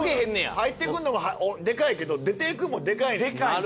入ってくんのもでかいけど出ていくのもでかいねんな。